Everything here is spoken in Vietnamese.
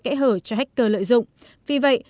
kẽ hở cho hacker lợi dụng vì vậy